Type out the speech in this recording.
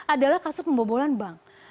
adalah kasus pembobolan bank